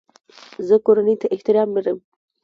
زه کورنۍ ته احترام لرم.